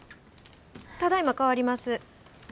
ただいま代わります。